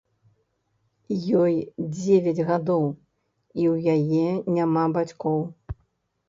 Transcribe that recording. Ёй дзевяць гадоў і ў яе няма бацькоў.